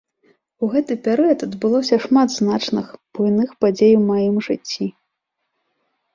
У гэты перыяд адбылося шмат значных буйных падзей у маім жыцці.